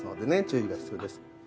注意が必要です。